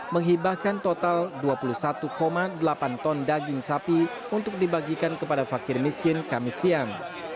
menghibahkan total dua puluh satu delapan ton daging sapi untuk dibagikan kepada fakir miskin kamis siang